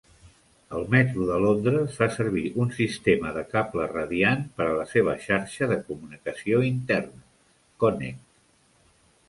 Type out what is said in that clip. El metro de Londres fa servir un sistema de cable radiant per a la seva xarxa de comunicació interna "Connect".